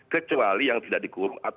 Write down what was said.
kecuali yang tidak dikurva